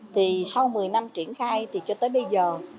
thì sau một mươi năm triển khai thì cho tới bây giờ